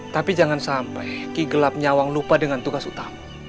tapi jangan sampai ki gelap nyawang lupa dengan tugas utama